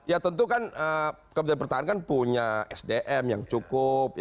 ya tentu kan kementerian pertahanan kan punya sdm yang cukup